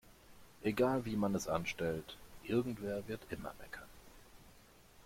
Egal wie man es anstellt, irgendwer wird immer meckern.